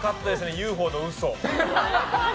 ＵＦＯの嘘。